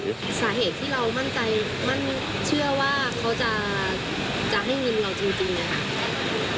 สาเหตุที่เรามั่นใจเชื่อว่าเขาจะให้เงินเราจริงนะคะ